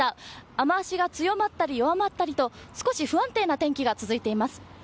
雨脚が強まったり弱まったりと少し不安定な天気が続いています。